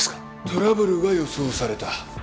トラブルが予想された。